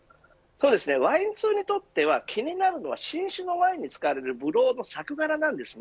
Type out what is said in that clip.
ワイン通にとっては気になるのは新種のワインに使われるブドウの作柄なんです。